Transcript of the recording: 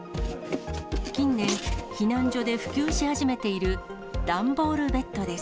近年、避難所で普及し始めている段ボールベッドです。